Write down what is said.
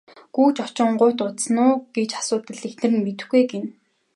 Гүйж очингуут удсан уу гэж асуутал эхнэр нь мэдэхгүй ээ гэнэ.